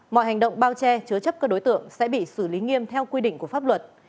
mọi hành động bao che chứa chấp các đối tượng sẽ bị xử lý nghiêm theo quy định của pháp luật